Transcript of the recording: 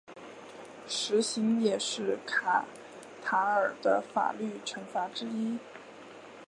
石刑也是卡塔尔的法律惩罚之一。